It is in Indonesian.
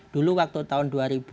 dulu waktu tahun dua ribu enam belas